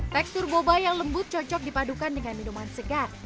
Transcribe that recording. tekstur boba yang lembut cocok dipadukan dengan minuman segar